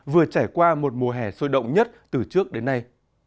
vừa trải qua một mùa hè sôi động nhất từ trước đến nay